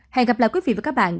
hẹn gặp lại quý vị và các bạn